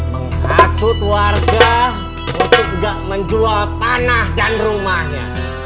menghasut warga untuk tidak menjual tanah dan rumahnya